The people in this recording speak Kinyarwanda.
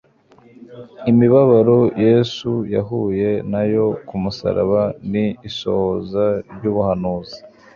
Imibabaro Yesu yahuye na yo ku musaraba ni isohozwa ry'ubuhanuzi.